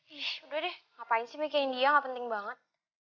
ih udah deh ngapain sih mikirin dia gak penting banget